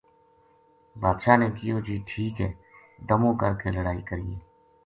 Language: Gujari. بادشاہ نے کہیو جی ٹھیک ہے دمو کر کے لڑائی کرینے